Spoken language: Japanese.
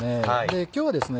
今日はですね